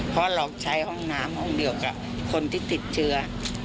เพราะเราใช้ห้องน้ำห้องเดียวกับคนที่ติดเชื้อ